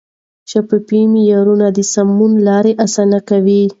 شفاف معیارونه د سمون لار اسانه کوي.